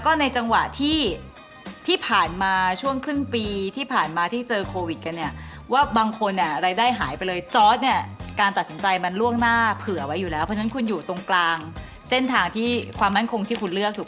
ก็ในจังหวะที่ผ่านมาช่วงครึ่งปีที่ผ่านมาที่เจอโควิดกันเนี่ยว่าบางคนเนี่ยรายได้หายไปเลยจอร์ดเนี่ยการตัดสินใจมันล่วงหน้าเผื่อไว้อยู่แล้วเพราะฉะนั้นคุณอยู่ตรงกลางเส้นทางที่ความมั่นคงที่คุณเลือกถูก